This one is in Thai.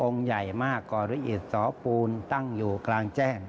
องค์ใหญ่มากกริอิจสปูลตั้งอยู่กลางแจ่ง